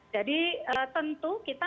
jadi tentu kita